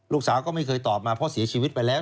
ลูกสาวก็ไม่เคยตอบมาเพราะเสียชีวิตไปแล้ว